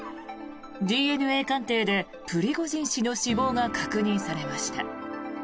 ＤＮＡ鑑定でプリゴジン氏の死亡が確認されました。